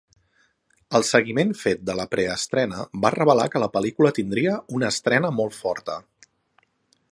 El seguiment fet de la preestrena va revelar que la pel·lícula tindria una estrena molt forta.